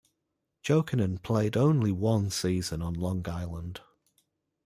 Jokinen played only one season on Long Island.